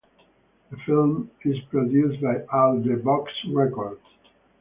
The film is produced by Out The Box Records.